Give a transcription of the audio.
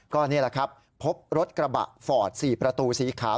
ก็นี่แหละครับพบรถกระบะฟอร์ด๔ประตูสีขาว